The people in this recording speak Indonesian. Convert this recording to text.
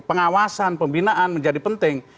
pengawasan pembinaan menjadi penting